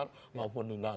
jadi saya ingin menambahkan